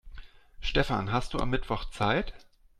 Stefan, hast du am Mittwoch Zeit?